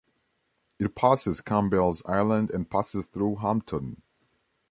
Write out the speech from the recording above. It passes Campbell's Island and passes through Hampton.